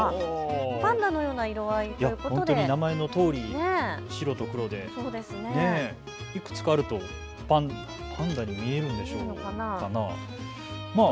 パンダのような色合いということで本当に名前のとおり白と黒でいくつかあるとパンダに見えるんでしょうか。